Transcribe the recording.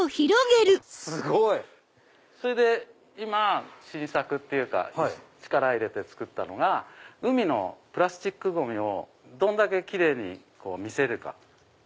すごい！それで今新作っていうか力入れて作ったのが海のプラスチックゴミをどんだけキレイに見せるか。